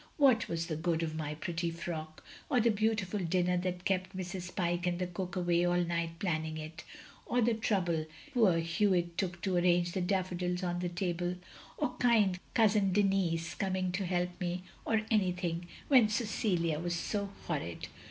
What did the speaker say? "What was the good of my pretty frock, or the beautiful dinner that kept Mrs. Pyke and the cook awake all night planning it ; or the trouble poor Hewitt took to arrange the daffodils on the table, or kind cotisin Denis coming to help me, or any thing — ^when Cecilia was so horrid.